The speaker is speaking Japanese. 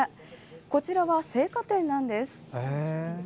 こちらは青果店なんです。